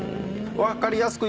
分かりやすい。